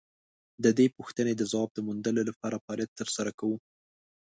د دې پوښتنې د ځواب د موندلو لپاره فعالیت تر سره کوو.